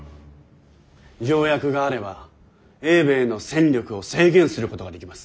条約があれば英米の戦力を制限することができます。